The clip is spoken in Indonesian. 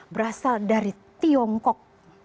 berasal dari tiongkok